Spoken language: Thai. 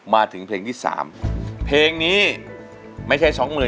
มากันทั้งจังหวัด